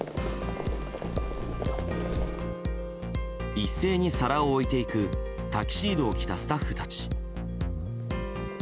一斉に皿を置いていくタキシードを着たスタッフたち。